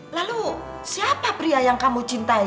lalu siapa pria yang kamu cintai